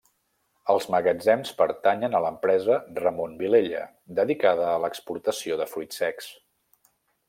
Els magatzems pertanyen a l'empresa Ramon Vilella, dedicada a l'exportació de fruits secs.